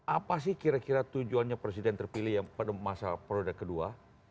apa sih kira kira tujuannya presiden terpilih yang pada masa periode kedua